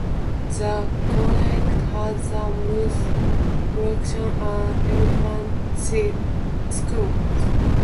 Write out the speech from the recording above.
The commune has municipal preschools and elementary schools.